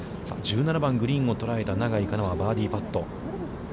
１７番、グリーンを捉えた永井花奈はバーディーパット。